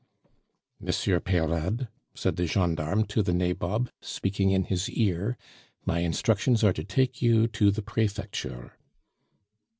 "Monsieur Peyrade," said the gendarme to the nabob, speaking in his ear, "my instructions are to take you to the Prefecture."